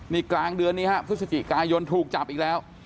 นี่กลางเดือนนี้ฮะพฤศจิกายนถูกจับอีกแล้ว